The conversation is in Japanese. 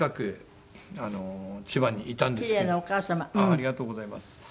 ありがとうございます。